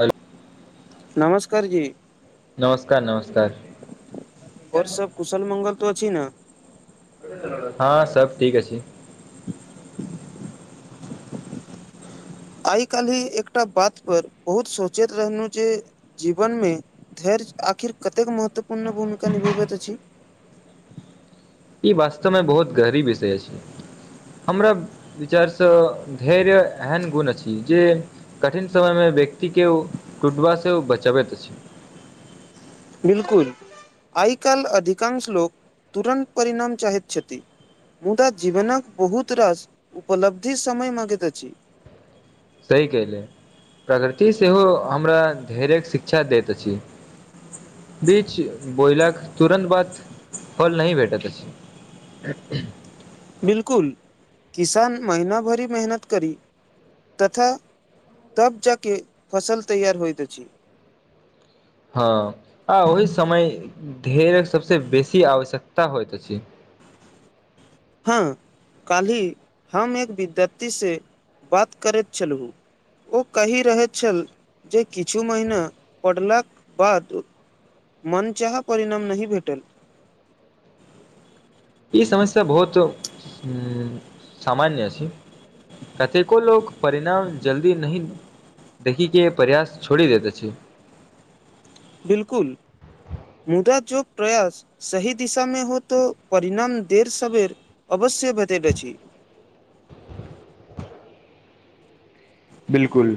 ह नमस्कार जी नमस्कार नमस्कार आओर सब कुशल मंगल तो छै ने हँ सब ठीक अछि आइ काल्हिी एकटा बात पर बहुत सोचैत रहलहुँ जे जीवन मे धैर्य आखिर कतेक महत्वपूर्ण भूमिका निभेबैत अछि ई वास्तवमे बहुत गहरी विषय छै हमरा विचारसँ धैर्य एहन गुण अछि जे कठिन समयमे व्यक्ति के ओ टुटबा से बचाबैत अछि बिलकुल आइ काल अधिकांश लोक तुरन्त परिणाम चााहै छथि मुदा जीवनक बहुत रास उपलब्धि समय मांगैत अछि सही कहिले प्रगृति सेहो हमरा घेर्ये शिक्षा दैत अछि बीज बोयलाक तुरन्त बाद फल नहि भेटैत अछि [unintelligible] बिलकुल किसान महिना भरी मेहनत करी तथा तब जाकऽ फसल तैयार होइत अछि हँ आ ओहि समय ढेर सभसँ बेसी आवश्यकता होइत अछि हँ काल्हि हम एक विद्यार्थीसँ बात करैत छलहुँ ओ कहि रहैत छल जे किछु महीना पड़लाक बाद मन चाहा परिणाम नहि भेटल ई समस्या बहुत सामान्य अछि कतेको लोक परिणाम जल्दी नहि देखी के प्रयास छोड़ि देैत छी बिल्कुल। मुदा जो प्रयास सही दिशामे हो तो परिणाम देर सवेर अवऽ। से भतिडचि। बिल्कुल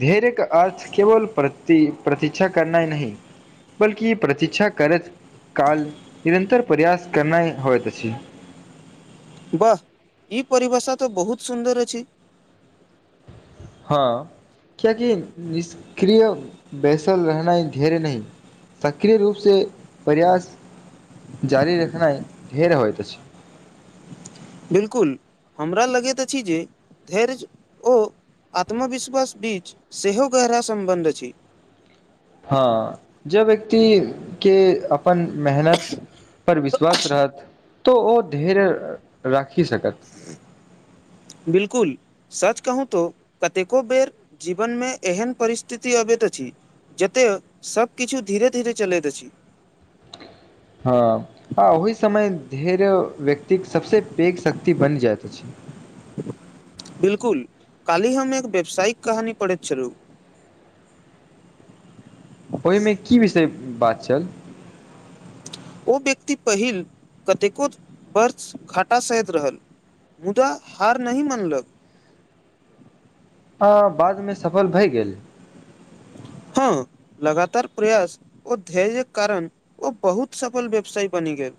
धैर्य का अर्थ केवल प्रतीक्षा करना हि नहीं। बल्कि प्रतिक्षा करैत काल निरन्तर प्रयास करनाइ होइत अछि। [unintelligible] वाह ई परिभाषा तऽ बहुत सुन्दर अछि। ह कियक निष्क्रिय बैसल रहनाइ धेर्य नहि सक्रिय रूपसँ प्रयास जारी रेखाना ढेर होइत छै बिल्कुल हमरा लगैत अछि जे धैर्य ओ आत्मविश्वास बीच सेहो गहरा सम्बन्ध अछि हँ जे व्यक्ति के अपन मेहनत पर विश्वास रहत तऽ ओ धैर्य राखि सकत [unintelligible] बिलकुल सच कहू तो कतेको बेर जीवन मे एहन परिस्थिति अबैध अछि जतय सभकिछु धीरे धीरे चलैत अछि धैर व्यक्तिक सबस पैघ शक्ति बनि जाइत अछि बिलकुल काल्हि हम एक व्यावसायिक कहानी पढ़ैत छलहुँ ओहिमे की विषय बात छल ओ व्यक्ति पहिल कतेको वर्ष घाटा सहैत रहल मुदा हार नहि मनलक आ बादमे सफल भए गेल हँ लगातार प्रयास ओ धैर्यक कारण ओ बहुत सफल व्यवसाय बने थीक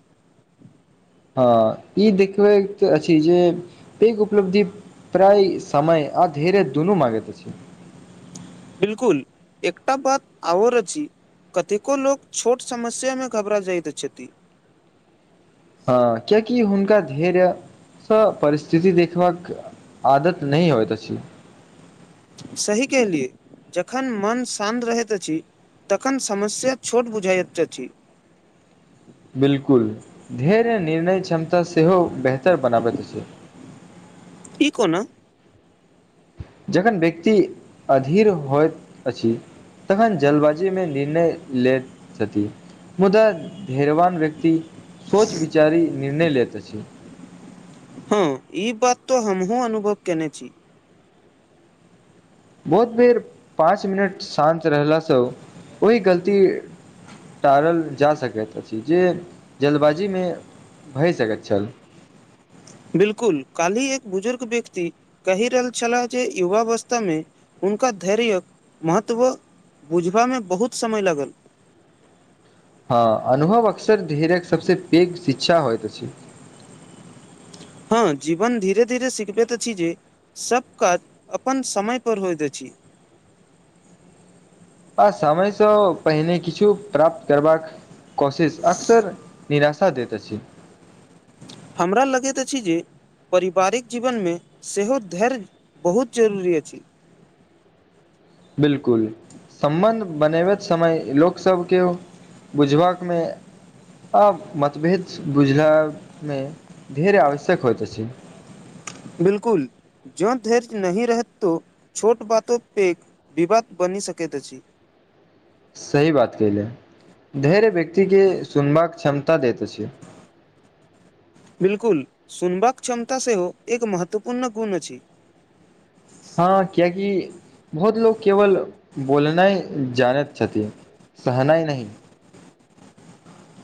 हँ ई देखबैत अछि जे पैघ उपलब्धि प्राय समय आ धीरे दुनू मागैत छै बिलकुल एकटा बात आर अछि कतेको लोक छोट समस्यामे घबरा जाइत छथि हँ कियकि हुनका धैर्य त परिस्थिति देखबाक आदत नहि होय त छी सही कहलियै जखन मन शान्त रहैत अछि तखन समस्या छोट बुझाइत अछि बिलकुल धैर्य निर्णय क्षमता सेहो बेहतर बनाबैत अछि ई कोना जखन व्यक्ति अधीर होइत अछि तखन जलबाजू मे निर्णय ले छथि मुदा धैर्यवान व्यक्ति सोच विचारी निर्णय लेैत छी हँ ई बात तऽ हमहुँ अनुभव कने छी बहुत बेर पाँच मिनट शान्त रहलासँ ओहि गलती टारल जा सकैत अछि जे जल्बाजीमे भए सकैत छल बिल्कुल काल्हि एक बुजुर्ग व्यक्ति कहि रहल छलाह जे युवा अवस्थामे हुनका धैर्यक महत्व बुझबामे बहुत समय लागल हँ अनुभव अक्सर धैर्य सबसे पैघ शिक्षा होइत अछि हँ जीवन धीरे धीरे सिखबैत छी जे सब काज अपन समय पर होयइत अछि [unintelligible] आ समयसँ पहिने किछु प्राप्त करबाक कोशिश अक्सर निराशा देैत अछि हमरा लगैत अछि जे परिवारिक जीवनमे सेहो धैर्य बहुत जरूरी अछि [inaudible] बिलकुल सम्बन्ध बनेबैत समय लोक सब केओ बुझबाक मे आ मतभेद बुझला मे धैर्य आवश्यक होइत अछि बिलकुल ज्यो धैर्य नह रहत तो छोट बातो पेक विवाद बनी सकैत अछि [inaudible] सही बात कले धैर्य व्यक्तिके सुनबाक क्षमता दैत अछि [inaudible] बिल्कुल सुनबाक क्षमता सेहो एक महत्वपूर्ण गुण अछि हँ कियाकि बहुत लोक केवल बोलनाइ जानैत छथि सहनैह नहि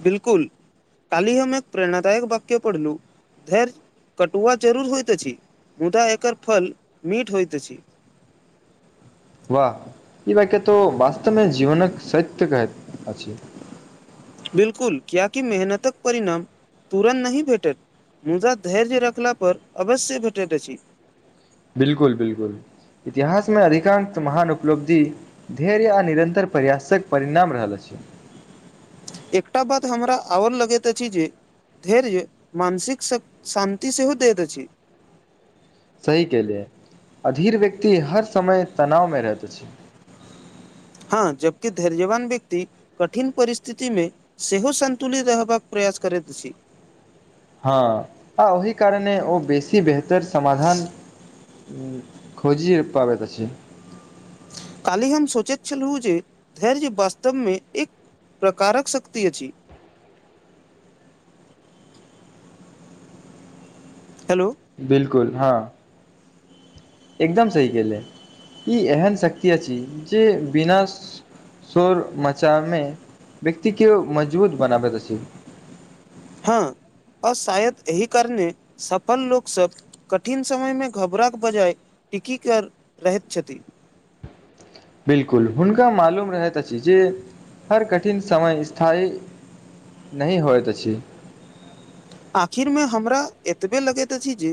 बिलकुल काल्ही हम एक प्रेरणादायक वक्य पढ़लू धैर्य कटुआ जरूर होइत अछि मुदा एकर फल मीठ होइत अछि [inaudible] वाह ई वाक्य तो वास्तमे जीवनक सत्य कहैत अछि बिलकुल क्यकि मेहनतक परिणाम तुरन्त नहि भेटेत मुदा धैर्य रखला पर अवश्य भेटैत अछि बिल्कुल बिलकुल इतिहासमे अधिकांश महान उपलब्धि धैर्य आ निरन्तर प्रयासक परिणाम रहल अछि एकटा बात हमरा आओर लगैत अछि जे धैर्य मानसिक शान्ति सेहो दैत अछि सही केहलियै अधीर व्यक्ति हर समय तनाव मे रहैत अछि [inaudible] हँ जबकि धैर्यवान व्यक्ति कठिन परिस्थितिमे सेहो संतुलित रहबाक प्रयास प्रयास करैत अछि हँ आ ओहि कारणे ओ बेसी बेहतर समाधान खोजीये पाबैत अछि कालहि हम सोचैत छलहुँ जे धैर्य वास्तवमे एक प्रकारक शक्ति अछि हेलो कुल हँ एकदम सही केले ई एहन शक्ति अछि जे बिना शोर मचामे व्यक्ति के मजबूत बनाबैत अछि हँ आओ शायद एहिह कारनेे सफल लोक सब कठिन समय मे घबरा के बजाय टीकि कर रहैत छथि बिलकुल हुनका मालूम रहैत अछि जे हर कठिन समय स्थायी नहि होयत अछि आखिर मे हमरा एतबे लगैत अछि जे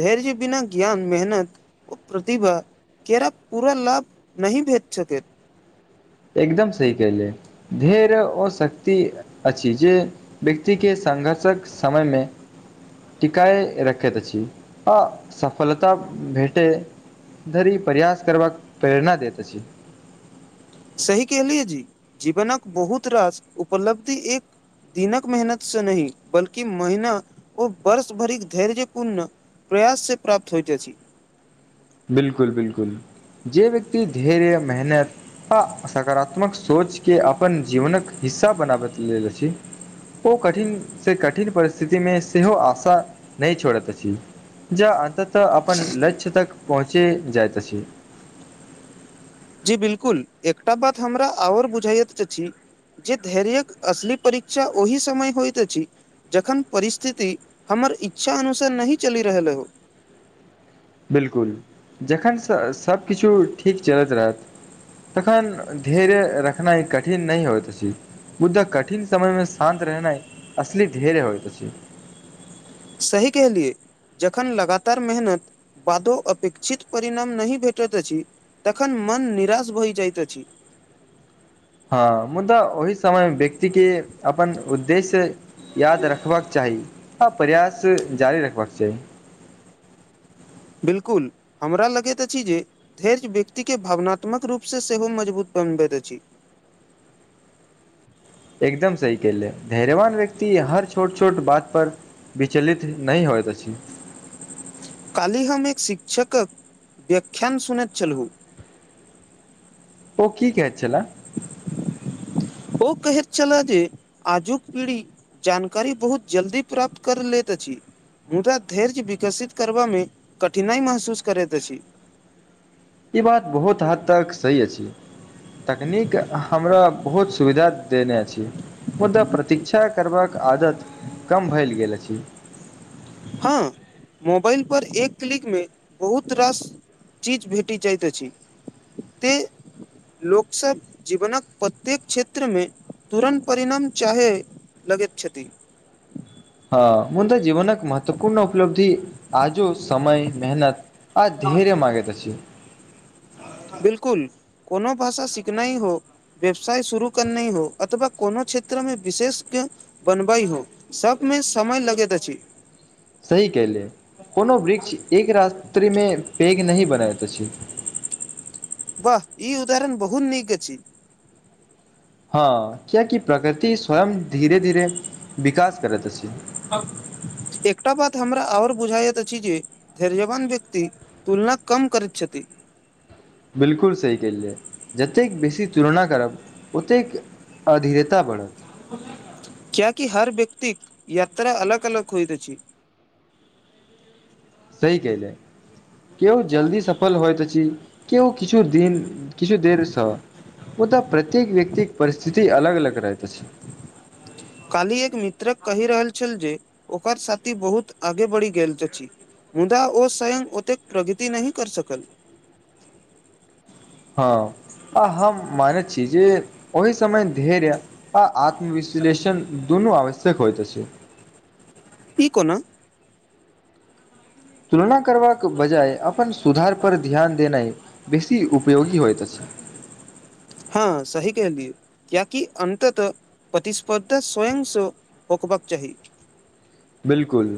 धैर्य बिना ज्ञान मेहनत ओ प्रतिभा केराप पूरा लाभ नहि भेज सकैत एकदम सही कहले धैर्य ओ शक्ति अछि जे व्यक्ति के सा संघर्षक समयमे टिकाइ रखैत छी आ सफलता भेटै धरी प्रयास करबाक प्रेरणा दैत अछि सही केहलियै जी जीवनक बहुत रास उपलब्धि एक दिनक मेहनत सँ नहि बल्कि महिना ओ वर्ष भरिक धैर्यपूर्ण प्रयास से प्राप्त होइत अछि बिलकुल बिलकुल जे व्यक्ति धैर्य मेहनत आ सकारात्मक सोच के अपन जीवनक हिस्सा बनाबैत लेल अछि ओ कठिनसँ कठिन परिस्थितिमे सेहो आशा नहि छोड़ैत अछि जँ अततः अपन लक्ष्य तक पहुँचे जाइत अछि जी बिलकुल एकटा बात हमरा आओर बुझाइत अछि जे धैर्यक असली परीक्षा ओहि समय होयत अछि जखन परिस्थिति हमर इच्छा अनुसार नहि चलि रहलै हो बिलकुल जखन स सभकिछु ठीक चलैत रहत तखन धैर्य रखनाइ कठिन नहि होइत अछि मुुदा कठिन समय मे शान्त रहनाइ असली धैर्य होइत अछि सही कहलिए जखन लगातार मेहनत बादो अपेक्षित परिणाम नहि भेटैत अछि तखन मन निराश भइ जाइत अछि [inaudible] हँ मुदा ओहि समयमे व्यक्ति केर अपन उद्देश्य याद रखबाक चाही आ प्रयास जारी रखबाक चाही बिल्कुल हमरा लगैत अछि जे धैर्य व्यक्तिके भावनात्मक रूपसँ सेहो मजबूत बनाबैत अछि एकदम सही कहले धैर्यवान व्यक्ति हर छोट छोट बात पर विचलित नहि होयत अछि काल्हि हम एक शिक्षक व्याख्यान सुनैत छलहुँ [inaudible] ओ की कहैत छला ओ कहैत छलए जे आजुक पीढ़ी जानकारी बहुत जल्दी प्राप्त कर लैत अछि मुदा धैर्य विकसित करबामे कठिनाइ महसूस करैत अछि ई बात बहुत हद तक सही अछि तकनीक हमरा बहुत सुविधा देने अछि मुदा प्रतीक्षा करबाक आदत कम भेल गेल अछि हँ मोबाइल पर एक क्लिक मे बहुत रास चीज भेटी जाइत अछि ते लोक सब जीवनक प्रत्येक क्षेत्र मे तुरन्त परिणाम चाहे लगैत छथि हँ मुदाऽ जीवनक महत्वपूर्ण उपलब्धि आजो समय मेहनत आ धैर्य मांगेैत अछि बिलकुल कोनो भाषा सीखना ही हो व्यवसाय शुरू करना ही हो अथवा कोनो क्षेत्रमे विशेषज्ञ बनबइ हो सबमे समय लगैत अछि सही कहले कोनो वृक्ष एक रा त्री मे पैघ नहि बनायत अछि वाह ई उदाहरण बहुत नीक अछि हँ कियाकि प्रकृति स्वयं धीरे धीरे विकास करैत अछि आब [inaudible] एकटा बात हमरा आओर बुझाायइत अछि जे धैर्यवान व्यक्ति तुलना कम करैत छथि [inaudible] बिलकुल सही केलियै जतेक बेसी तुलना करब ओतेक अधीरता बढ़त क्य कि हर व्यक्तिक यात्रा अलग अलग होइतइत अछि [inaudible] सही केयले कियो जल्दी सफल होइत अछि केहो किछो दिन किछु देर स ओतय प्रत्येक व्यक्त परिस्थिति अलग अलग रहत अधि काल्हि एक मित्रक कहि रहल छल जे ओकर साथी बहुत आगे बढ़ि गेल अछि मुदा ओ स्वयं ओतेक प्रगति नहि कर सकल हँ आ हम मानैत छी जे ओहि समय धैर्य आ आत्मविश्लेषण दुनू आवश्यक होइत अछि ई कोना तुलना करबाक बजाय अपन सुधार पर ध्यान देनाइ बेसी उपयोगी होइत अछि [inaudible] हँ सही कहलिय क्य कि अन्ततः प्रतिस्पर्धा स्वयंसँ होकर होबाक चाही बिलकुल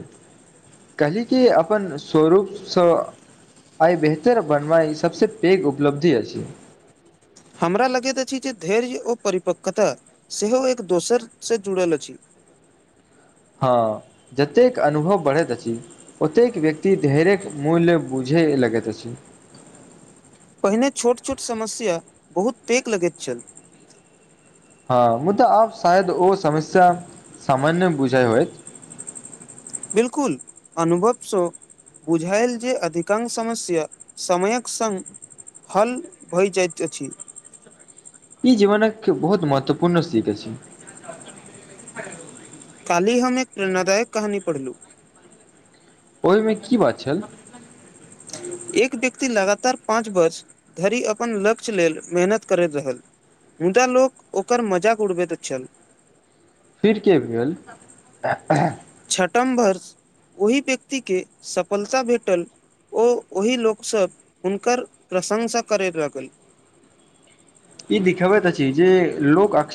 कहली कि अपन स्वरूपसँ आइ बेहतर बनबाई सबस पैघ उपलब्धि अछि हमरा लगैत अछि जे धैर्य ओ परिपक्वता सेहो एक दोसरसँ जुड़ल अछि [inaudible] हँ जतेक अनुभव बढ़ैत अछि ओतेक व्यक्ति मूल्य बुझे लगैत अछि [inaudible] पहिने छोट छोट समस्या बहुत पैेक लगैत छल हँ मुदाऽ आब शायद ओ समस्या सामान्य बुझाइ होत बिलकुल अनुभव सो बुझायल जे अधिकांश समस्या समयक संग हल भई जाइत अछि ई जीवन एक बहुत महत्वपूर्ण सीख अछि छै काल्हि हम एक प्रेरणादायक कहानी पढ़लहु ओहिमे की बात छल एक व्यक्ति लगातार पाँच वर्ष धरि अपन लक्ष्य लेल मेहनत करैत रहल मुदा लोक ओकर मजाक उड़बैत छल फिर के भेल छठम वर्ष ओहि व्यक्तिके सफलता भेटल ओ ओहि लोकसभ हुनकर प्रशंसा करय लगल ई दिखबैत तऽ छै जे लोक अक्स